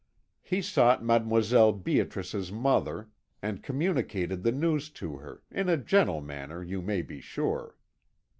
He sought Mdlle. Beatrice's mother, and communicated the news to her, in a gentle manner you may be sure.